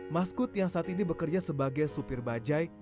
maskud yang saat ini bekerja sebagai supir bajai